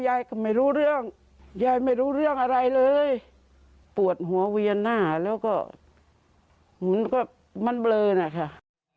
ยายก็ไม่รู้เรื่องยายไม่รู้เรื่องอะไรเลยปวดหัวเวียนหน้าแล้วก็เหมือนกับมันเบลอนะคะ